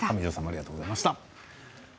光本さんありがとうございました。